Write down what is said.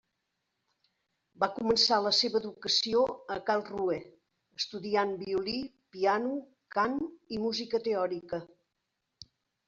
Va començar la seva educació a Karlsruhe estudiant violí, piano, cant i música teòrica.